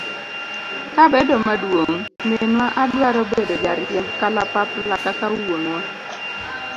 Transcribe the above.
kabedo maduong' minwa adwaro bedo jariemb kalapapla kaka wuonwa.